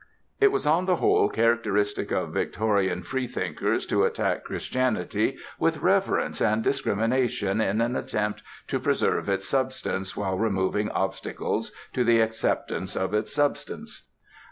It was on the whole characteristic of Victorian free thinkers to attack Christianity with reverence and discrimination in an attempt to preserve its substance while removing obstacles to the acceptance of its substance.